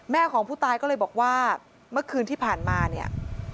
ของผู้ตายก็เลยบอกว่าเมื่อคืนที่ผ่านมาเนี่ย